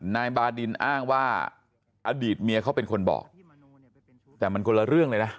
นายบาดินอ้างว่าอดีตเมียเขาเป็นคนบอกแต่มันคนละเรื่องเลยนะ